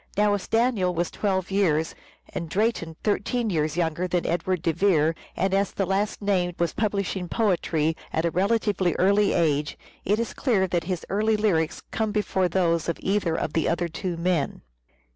Now, as Daniel was twelve years, and Drayton thirteen years younger than Edward de Vere, and as the last named was publishing poetry at a relatively early age, it 454 "SHAKESPEARE" IDENTIFIED is clear that his early lyrics come before those of either of the other two men.